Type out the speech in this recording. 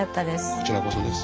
こちらこそです。